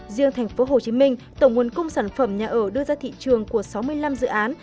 riêng tp hcm tổng nguồn cung sản phẩm nhà ở đưa ra thị trường của sáu mươi năm dự án